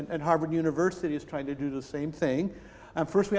dan harvard university sedang mencoba untuk melakukan hal yang sama